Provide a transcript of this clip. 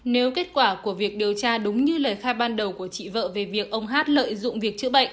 nếu kết quả của việc điều tra đúng như lời khai ban đầu của chị vợ về việc ông hát lợi dụng việc chữa bệnh